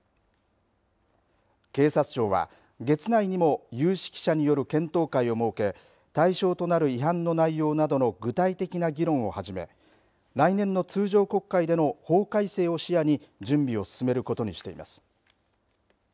警察庁は月内にも有識者による検討会を設け対象となる違反の内容などの具体的な議論を始め来年の通常国会での法改正を視野に準備を進めることにしています。